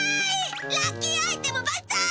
ラッキーアイテムバンザイ！